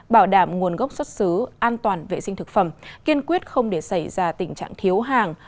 bảo đảm nguồn gốc xuất xứ an toàn vệ sinh thực phẩm kiên quyết không để xảy ra tình trạng thiếu hàng